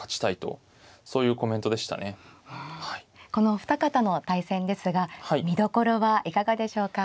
このお二方の対戦ですが見どころはいかがでしょうか。